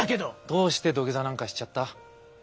どうして土下座なんかしちゃった？